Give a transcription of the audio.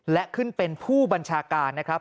และขึ้นเป็นผู้บัญชาการนะครับ